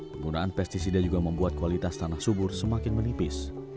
penggunaan pesticida juga membuat kualitas tanah subur semakin menipis